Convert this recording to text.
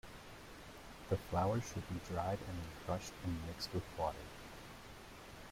The flowers should be dried and then crushed and mixed with water.